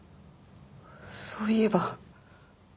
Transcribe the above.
そういえば。